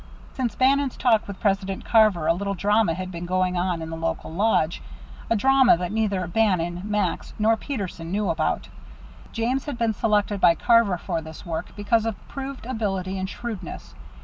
Since Bannon's talk with President Carver a little drama had been going on in the local lodge, a drama that neither Bannon, Max, nor Peterson knew about. James had been selected by Carver for this work because of proved ability and shrewdness.